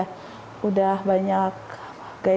sudah banyak gaya